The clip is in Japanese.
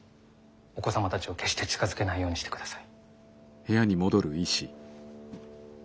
お子様たちを決して近づけないようにしてください。